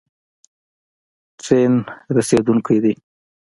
ټرین رسیدونکی دی